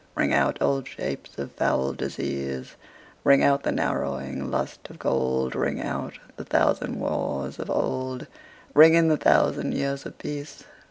Ring out old shapes of foul disease, Ring out the narrowing lust of gold; Ring out the thousand wars of old, Ring in the thousand years of peace.